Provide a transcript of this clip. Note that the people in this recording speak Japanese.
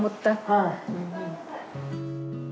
はい。